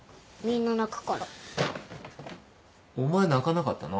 お前泣かなかったな。